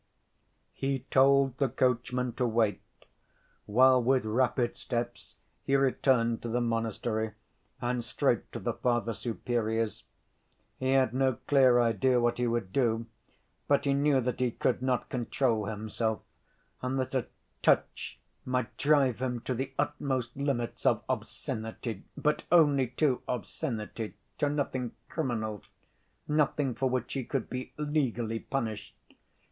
He told the coachman to wait, while with rapid steps he returned to the monastery and straight to the Father Superior's. He had no clear idea what he would do, but he knew that he could not control himself, and that a touch might drive him to the utmost limits of obscenity, but only to obscenity, to nothing criminal, nothing for which he could be legally punished.